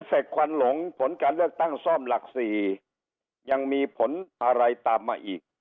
เสกควันหลงผลการเลือกตั้งซ่อมหลัก๔ยังมีผลอะไรตามมาอีก